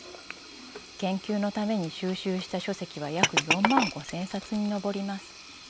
研究のために収集した書籍は約４万５，０００冊に上ります。